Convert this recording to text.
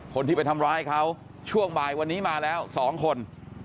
คนที่ไปทำร้ายเขาช่วงบ่ายวันนี้มาแล้ว๒คน